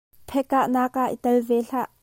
Phe kah nak ah i tel ve hlah.